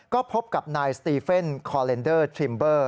ก็พบกับนายสตีเฟนคอเลนเดอร์ทริมเบอร์